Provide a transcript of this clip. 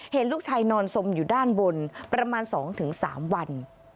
เห็นลูกชายนอนสมอยู่ด้านบนประมาณสองถึงสามวัน